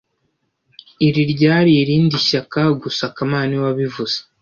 Iri ryari irindi shyaka gusa kamana niwe wabivuze